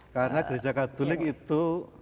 karena gereja katolik itu